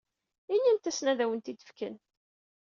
Inimt-asen ad awent-t-id-fken.